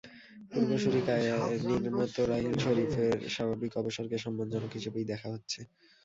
পূর্বসূরি কায়ানির মতো রাহিল শরিফের স্বাভাবিক অবসরকে সম্মানজনক হিসেবেই দেখা হচ্ছে।